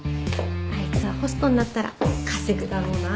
あいつはホストになったら稼ぐだろうな。